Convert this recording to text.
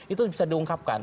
itu bisa diungkapkan